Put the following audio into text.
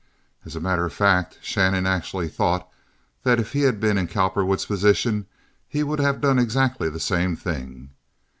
As a matter of fact, Shannon actually thought that if he had been in Cowperwood's position he would have done exactly the same thing.